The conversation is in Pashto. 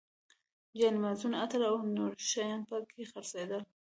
جاینمازونه، عطر او نور شیان په کې خرڅېدل.